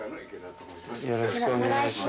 よろしくお願いします